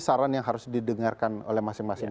saran yang harus didengarkan oleh masing masing